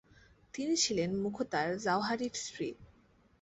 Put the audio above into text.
তিনি ছিলেন মুখতার জাওহারির স্ত্রী।